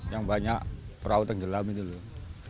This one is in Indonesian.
yang banyak perautan gelam itu loh